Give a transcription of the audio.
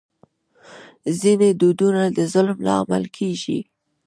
ځینې دودونه د ظلم لامل کېږي.